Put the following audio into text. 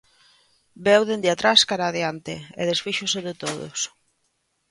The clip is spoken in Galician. Veu dende atrás cara adiante e desfíxose de todos.